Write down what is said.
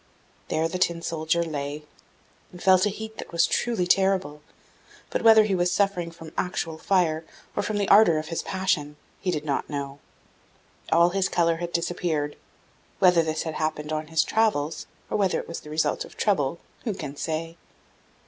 There the Tin soldier lay, and felt a heat that was truly terrible; but whether he was suffering from actual fire, or from the ardour of his passion, he did not know. All his colour had disappeared; whether this had happened on his travels or whether it was the result of trouble, who can say?